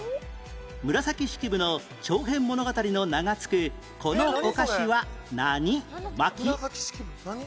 紫式部の長編物語の名が付くこのお菓子は何巻？